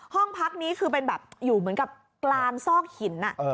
ห้องพักนี้คือเป็นแบบอยู่เหมือนกับกลางซอกหิน